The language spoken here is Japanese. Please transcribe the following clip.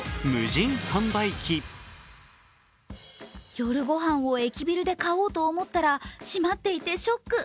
夜ごはんを駅ビルで買おうと思っていたら、閉まっていてショック。